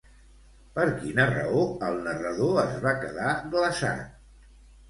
Per quina raó el narrador es va quedar glaçat?